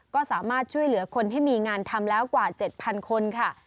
ก็สามารถช่วยเหลือคนให้มีงานทำแล้วกว่า๗๐๐คนค่ะ